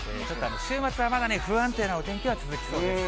ちょっと週末はまだね、不安定なお天気は続きそうです。